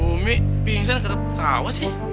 umi pingsan ketawa sih